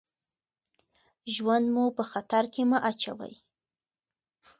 ژوند مو په خطر کې مه اچوئ.